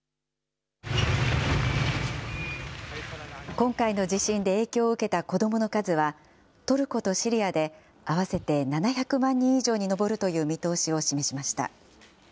今回の地震で影響を受けた子どもの数は、トルコとシリアで合わせて７００万人以上に上るという見通しを示しました。